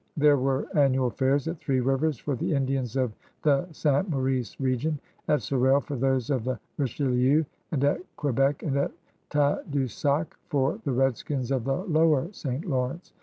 There were annual fairs at Three Rivers for the Indians of the St. Maurice region; at Sorel, for those of the Richelieu; and at Quebec and at Tadoussac, for the redskins of the Lower St. Lawrence.